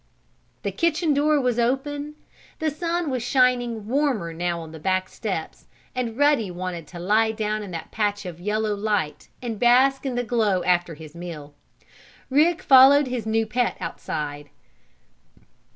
The kitchen door was open. The sun was shining warmer now on the back steps, and Ruddy wanted to lie down in that patch of yellow light, and bask in the glow after his meal. Rick followed his new pet outside.